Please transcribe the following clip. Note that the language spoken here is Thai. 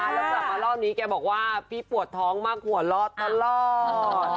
แล้วกลับมารอบนี้แกบอกว่าพี่ปวดท้องมากหัวรอดตลอด